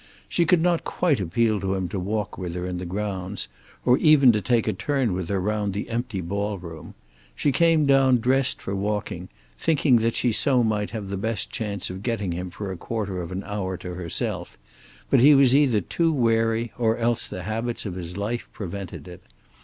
She could not quite appeal to him to walk with her in the grounds, or even to take a turn with her round the empty ball room She came down dressed for walking, thinking that so she might have the best chance of getting him for a quarter of an hour to herself, but he was either too wary or else the habits of his life prevented it.